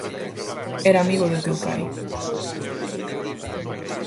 Era amigo de teu pai.